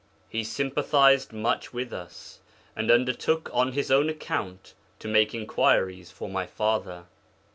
He sympathized much with us, and undertook on his own account to make inquiries for my father.